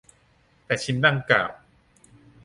แต่ชิ้นดังกล่าว